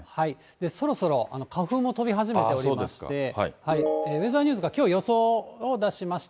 そろそろ花粉も飛び始めておりまして、ウェザーニューズがきょう予想を出しました。